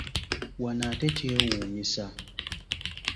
Wano ate kyewuunyisa!